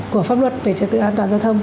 của pháp luật về trật tự an toàn giao thông